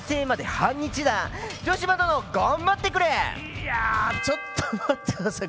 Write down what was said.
いやちょっと待って下さい。